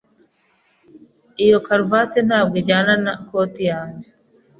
Iyi karuvati ntabwo ijyana na koti yanjye.